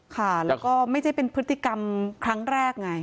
ค่ะแล้วก็ไม่ใช่เป็นพฤติกรรมครั้งแรกไง